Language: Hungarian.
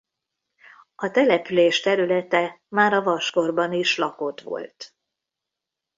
A település területe már a vaskorban is lakott volt.